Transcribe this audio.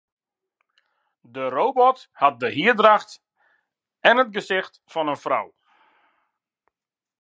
De robot hat de hierdracht en it gesicht fan in frou.